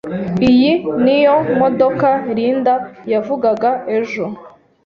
Iyi niyo modoka Linda yavugaga ejo.